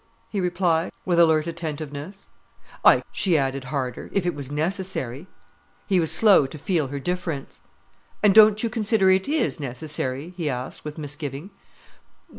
he replied, with alert attentiveness. "I could," she added, harder, "if it was necessary." He was slow to feel her difference. "And don't you consider it is necessary?" he asked, with misgiving.